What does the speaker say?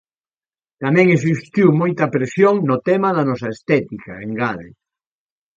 "Tamén existiu moita presión no tema da nosa estética", engade.